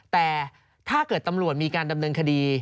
แต่ถ้าเกิดตำรวจมีการดำเนินคดี